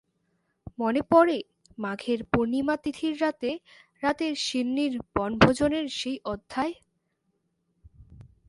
মনে পড়ে মাঘের পূর্ণিমা তিথির রাতে রাতের শিন্নির বনভোজনের সেই অধ্যায়।